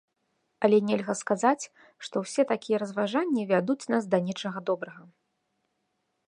Але нельга сказаць, што ўсе такія разважанні вядуць нас да нечага добрага.